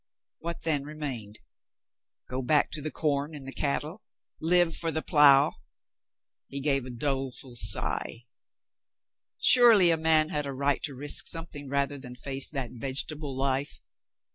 What then remained? Go back to the corn and the cattle, live for the plow. He gave a doleful sigh. Surely a man had a right to risk something rather than face that vegetable life.